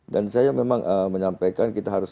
saya memang menyampaikan kita harus